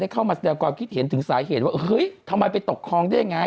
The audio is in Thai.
ได้เข้ามันดีกว่าคิดเห็นถึงสายเหตุว่าเฮ้ยทำไมไปตกครองได้ไง